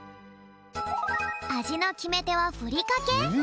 あじのきめてはふりかけ。